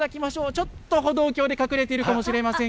ちょっと歩道橋で隠れているかも見えますよ。